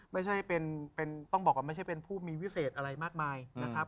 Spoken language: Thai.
ไม่ใช่เป็นต้องบอกว่าไม่ใช่เป็นผู้มีวิเศษอะไรมากมายนะครับ